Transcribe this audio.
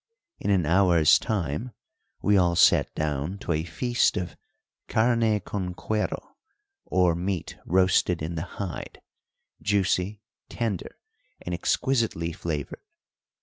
In an hour's time we all sat down to a feast of carne con cuero, or meat roasted in the hide, juicy, tender, and exquisitely flavoured.